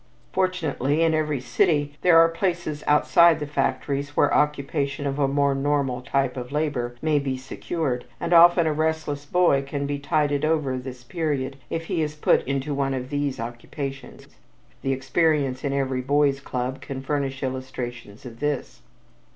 Fortunately, in every city there are places outside of factories where occupation of a more normal type of labor may be secured, and often a restless boy can be tided over this period if he is put into one of these occupations. The experience in every boys' club can furnish illustrations of this.